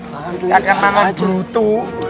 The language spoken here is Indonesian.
kakak makan buntu